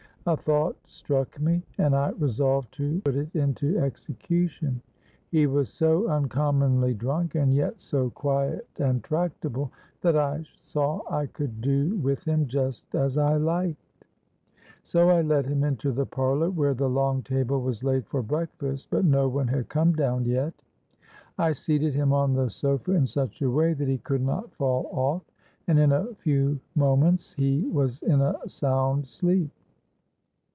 A thought struck me, and I resolved to put it into execution. He was so uncommonly drunk, and yet so quiet and tractable, that I saw I could do with him just as I liked: so I led him into the parlour where the long table was laid for breakfast; but no one had come down yet. I seated him on the sofa in such a way that he could not fall off, and in a few moment he was in a sound sleep.